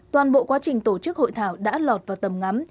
toàn bộ quá trình tổ chức hội thảo đã lọt vào tầm ngắm